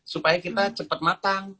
supaya kita cepet matang